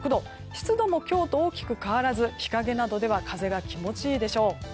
湿度も今日と大きく変わらず日陰などでは風が気持ちいいでしょう。